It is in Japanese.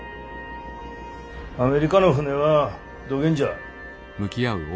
アメリカの船はどげんじゃ？